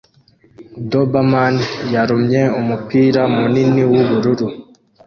Doberman yarumye umupira munini w'ubururu